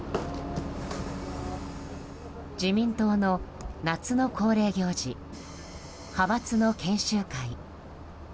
自民党の夏の恒例行事派閥の研修会。